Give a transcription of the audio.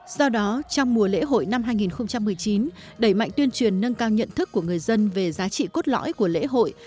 do đó trong mùa lễ hội năm hai nghìn một mươi chín đẩy mạnh tuyên truyền nâng cao nhận thức của người dân về giá trị cốt lõi của lễ hội